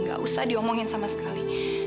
gak usah diomongin sama sekali